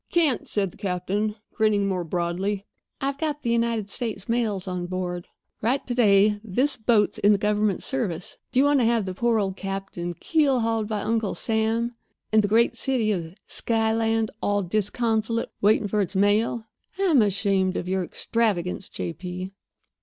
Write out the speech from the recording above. "Can't," said the captain, grinning more broadly. "I've got the United States mails on board. Right to day this boat's in the government service. Do you want to have the poor old captain keelhauled by Uncle Sam? And the great city of Skyland, all disconsolate, waiting for its mail? I'm ashamed of your extravagance, J. P."